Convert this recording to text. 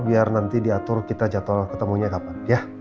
biar nanti diatur kita jadwal ketemunya kapan